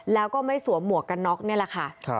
แล้วก็ไม่สวมหมวกกันน็อกนี่แหละค่ะ